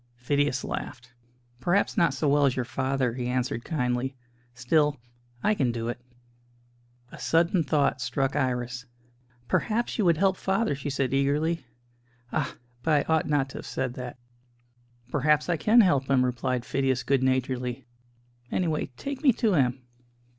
Phidias laughed. "Perhaps not so well as your father," he answered kindly. "Still, I can do it." A sudden thought struck Iris. "Perhaps you would help father?" she said eagerly. "Ah! but I ought not to have said that." "Perhaps I can help him," replied Phidias good naturedly. "Anyway, take me to him."